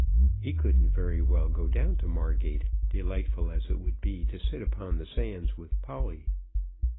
He couldn't very well go down to Margate, delightful as it would be to sit upon the sands with Polly.